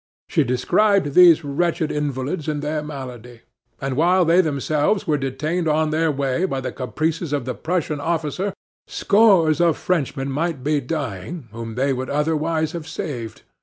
She described these wretched invalids and their malady. And, while they themselves were detained on their way by the caprices of the Prussian officer, scores of Frenchmen might be dying, whom they would otherwise have saved!